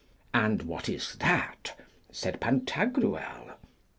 And what is that? said Pantagruel.